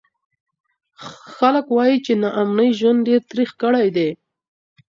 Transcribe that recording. خلک وایي چې ناامني ژوند ډېر تریخ کړی دی.